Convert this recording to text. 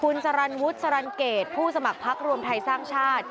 คุณสรรวุฒิสรรเกตผู้สมัครพักรวมไทยสร้างชาติ